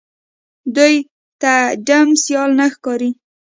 دوی ته ډم سيال نه ښکاري